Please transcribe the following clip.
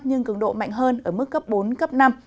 nhưng cường độ mạnh hơn ở mức cấp bốn cấp năm